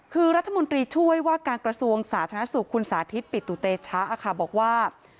คือรัฐมนตรีช่วยว่าการกระทรวงสาธารณสุขคุณสาธิตปิตุเตชะบอกว่า